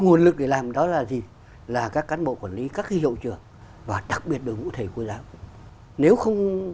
nguồn lực để làm đó là gì là các cán bộ quản lý các hiệu trưởng và đặc biệt là thầy cô giáo nếu không